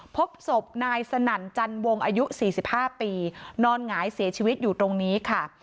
พบศพนายสนั่นจันวงอายุ๔๕ปีนอนหงายเสียชีวิตอยู่ตรงนี้ค่ะ